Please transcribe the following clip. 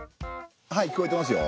はい聞こえてますよ。